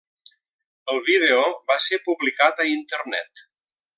El vídeo va ser publicat a Internet.